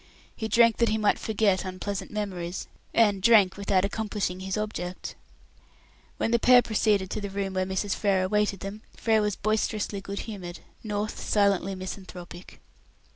He drank that he might forget unpleasant memories, and drank without accomplishing his object. When the pair proceeded to the room where Mrs. Frere awaited them, Frere was boisterously good humoured, North silently misanthropic.